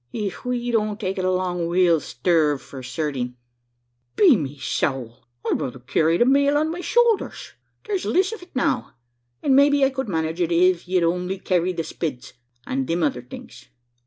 Ef we don't take it along, we'll sterve for certing." "Be me sowl! I'd ruther carry the male on my showlders. There's liss of it now; an' maybe I could manage it, iv you'ld only carry the spids, an' thim other things.